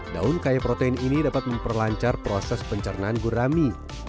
daun kaya protein ini dapat memperlancar proses pencernaan gurami